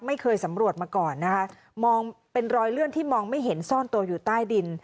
สำรวจมาก่อนนะคะมองเป็นรอยเลื่อนที่มองไม่เห็นซ่อนตัวอยู่ใต้ดิน